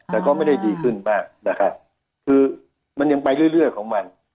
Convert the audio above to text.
แต่ก็ไม่ได้ดีขึ้นมากนะครับคือมันยังไปเรื่อยของมัน